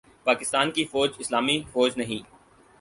پاکستان کی فوج اسلامی فوج نہیں